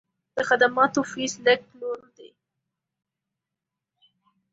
د خدماتو فیس لږ لوړ دی.